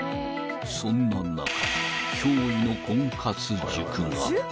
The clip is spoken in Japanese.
［そんな中驚異の婚活塾が］